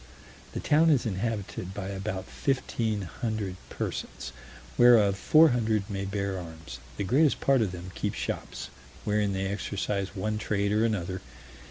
The town is inhabited by about 1,500 persons, whereof four hundred may bear arms; the greatest part of them keep shops, wherein they exercise one trade or another.